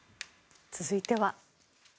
続いては。